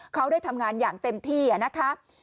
เขาได้ทำงานอย่างเต็มที่นะคะ